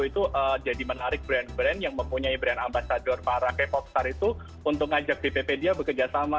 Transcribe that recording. itu jadi menarik brand brand yang mempunyai brand ambasador para k pop star itu untuk ngajak bpp dia bekerja sama